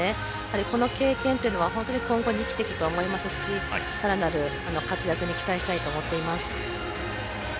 この経験は今後に生きていくと思いますしさらなる活躍に期待したいと思っています。